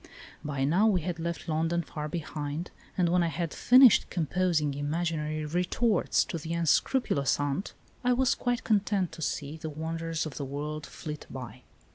By now we had left London far behind, and when I had finished composing imaginary retorts to the unscrupulous aunt I was quite content to see the wonders of the world flit by.